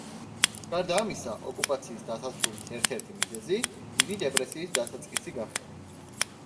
გარდა ამისა, ოკუპაციის დასასრულის ერთ–ერთი მიზეზი დიდი დეპრესიის დასაწყისი გახდა.